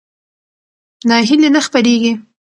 ناهیلي نه خپرېږي.